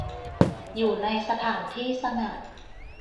อยู่ในสถานที่สงัด